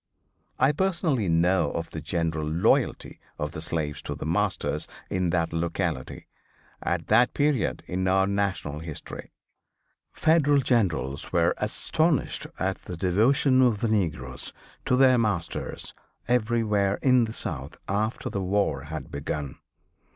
I personally know of the general loyalty of the slaves to their masters in that locality, at that period in our national history. Federal generals were astonished at the devotion of the negroes to their masters everywhere in the South after the war had begun.